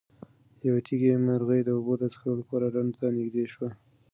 یوه تږې مرغۍ د اوبو د څښلو لپاره ډنډ ته نږدې شوه.